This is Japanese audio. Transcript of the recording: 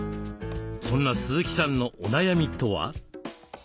そんな鈴木さんのお悩みとは？